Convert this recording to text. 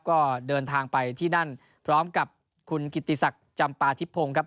ก็เดินทางไปที่นั่นพร้อมกับคุณกิติศักดิ์จำปาทิพพงศ์ครับ